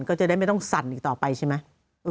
ก็จะได้ไม่ต้องสั่นอีกต่อไปใช่ไหม